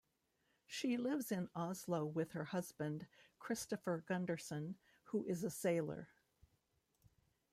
She lives in Oslo with her husband, Christopher Gundersen, who is a sailor.